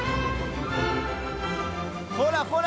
ほらほら